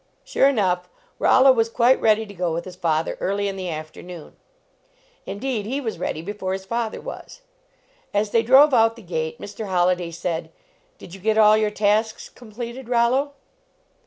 Sure enough, Rollo was quite ready to go with his father early in the afternoon. In 79 LEARNING TO TRAVEL deed he was ready before his father was. As they drove out the gate Mr. Holliday said : "Did you get all your tasks completed, Rollo?"